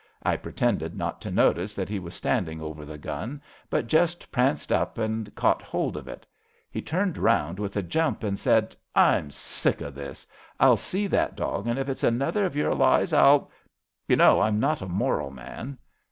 I pretended not to notice that he was standing over the gun, but just pranced up and caught hold of it. He turned round with a jump and said :* I'm sick of this. I'll see that dog, and if it's another of your lies I'll ' You know I'm not a moral man."